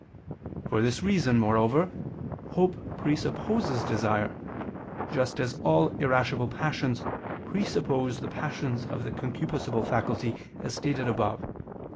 For this reason, moreover, hope presupposes desire: just as all irascible passions presuppose the passions of the concupiscible faculty, as stated above (Q.